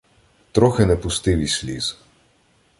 Трохи не попустив і сліз.